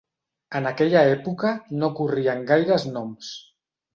En aquella època no corrien gaires noms.